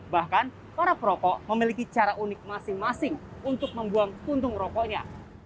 bahkan para perokok memiliki cara unik masing masing untuk membuang puntung rokoknya